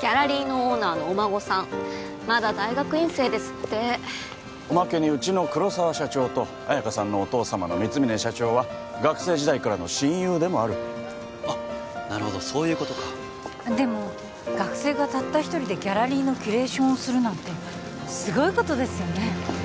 ギャラリーのオーナーのお孫さんまだ大学院生ですっておまけにうちの黒澤社長と綾香さんのお父様の光峯社長は学生時代からの親友でもあるあっなるほどそういうことかでも学生がたった一人でギャラリーのキュレーションをするなんてすごいことですよね